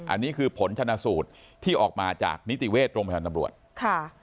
อันนี้คือผลชนะสูตรที่ออกมาจากนิติเวชโรงพยาบาลตำรวจค่ะ